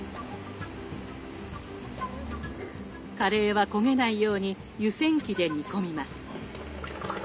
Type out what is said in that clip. カレーは焦げないように湯せん機で煮込みます。